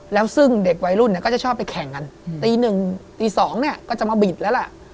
แล้วซึ่งเด็กวัยรุ่นเนี่ยก็จะชอบไปแข่งกันตีหนึ่งตี๒เนี่ยก็จะมาบิดแล้วล่ะ